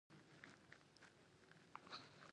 مقصد د هغې درناوی کول دي.